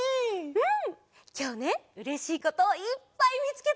うん。